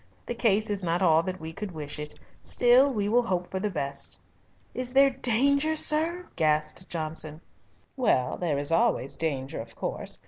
"The case is not all that we could wish it. Still we will hope for the best." "Is there danger, sir?" gasped Johnson. "Well, there is always danger, of course.